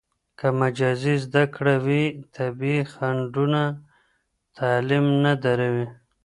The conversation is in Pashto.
که مجازي زده کړه وي، طبیعي خنډونه تعلیم نه دروي.